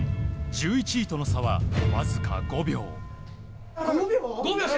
１１位との差は、わずか５秒。